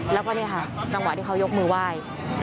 แล้วก็เนี่ยค่ะจังหวะที่เขายกมือไหว้